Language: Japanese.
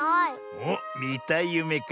おっみたいゆめか。